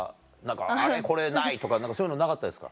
「あれ？これない」とか何かそういうのなかったですか？